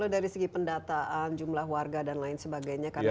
dari segi pendataan jumlah warga dan lain sebagainya